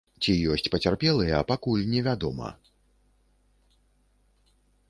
Ці ёсць пацярпелыя, пакуль невядома.